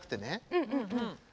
うんうんうん。